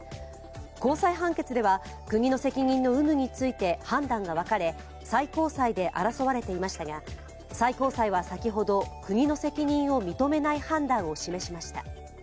高裁判決では国の責任の有無について判断が分かれ、最高裁で争われていましたが最高裁は先ほど国の責任を認めない判断を示しました。